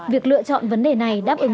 việc lựa chọn vấn đề này đáp ứng